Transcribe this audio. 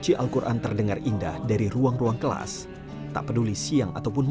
itu adalah satu itu